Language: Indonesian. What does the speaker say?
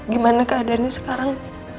gimana keadaannya sekarang